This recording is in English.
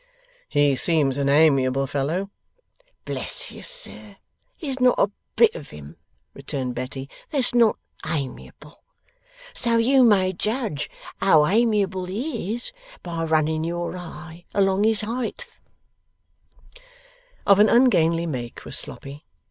'He seems an amiable fellow.' 'Bless you, sir, there's not a bit of him,' returned Betty, 'that's not amiable. So you may judge how amiable he is, by running your eye along his heighth.' Of an ungainly make was Sloppy.